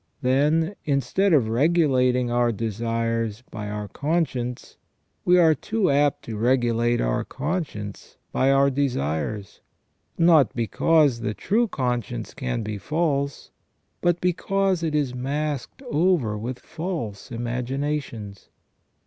Then, instead of regulating our desires by our con science, we are too apt to regulate our conscience by our desires, not because the true conscience can be false, but because it is masked over with false imaginations.